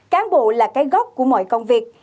cán bộ là cái góc của mọi công việc